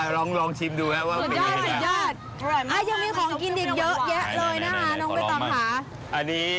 ลองชิมดูนะว่าเป็นไง